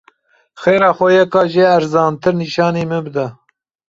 Xêra xwe, yeka jê ezantir nîşanî min bide.